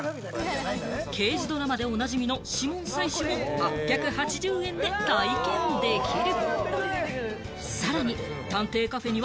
刑事ドラマでおなじみの指紋採取も８８０円で体験できる。